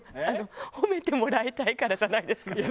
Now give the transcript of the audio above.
あの「褒めてもらいたいから」じゃないですか？